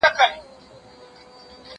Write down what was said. زه به کالي وچولي وي!.